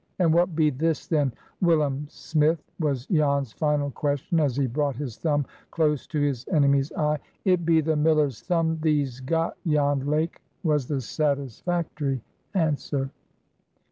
"And what be this, then, Willum Smith?" was Jan's final question, as he brought his thumb close to his enemy's eye. "It be the miller's thumb thee's got, Jan Lake," was the satisfactory answer.